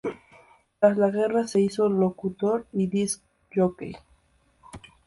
Tras la guerra se hizo locutor y disc jockey.